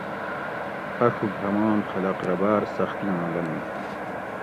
اۤڛوگ ہمان خلق رہ باۤر سختیاں لنگو